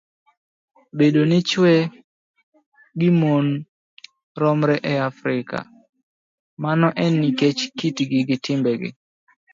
Bedo ni chwo gi mon romre e Afrika, mano en nikech kitgi gi timbegi